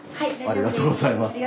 ありがとうございます。